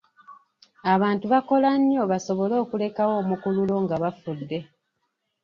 Abantu bakola nnyo basobole okulekawo omukululo nga bafudde.